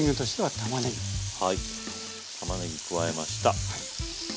たまねぎ加えました。